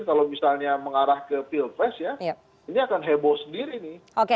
kalau misalnya mengarah ke pilpres ya ini akan heboh sendiri nih